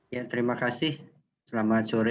ya terima kasih selamat sore